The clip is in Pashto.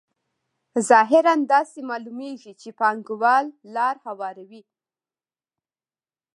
ظاهراً داسې معلومېږي چې پانګوال لار هواروي